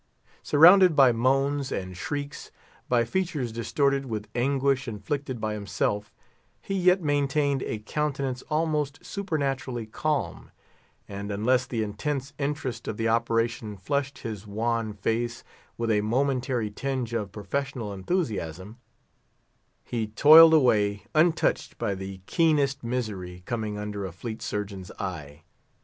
Surrounded by moans and shrieks, by features distorted with anguish inflicted by himself, he yet maintained a countenance almost supernaturally calm; and unless the intense interest of the operation flushed his wan face with a momentary tinge of professional enthusiasm, he toiled away, untouched by the keenest misery coming under a fleet surgeon's eye.